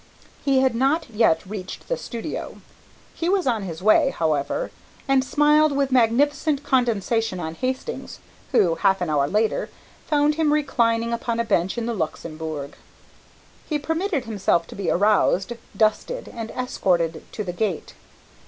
He had not yet reached the studio. He was on his way, however, and smiled with magnificent condescension on Hastings, who, half an hour later, found him reclining upon a bench in the Luxembourg. He permitted himself to be aroused, dusted and escorted to the gate.